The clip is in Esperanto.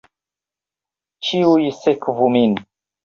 Ĉiuj sekvu min!